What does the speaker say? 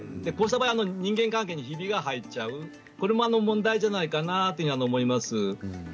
こうした場合人間関係にひびが入っちゃうこれは問題じゃないかなと思います。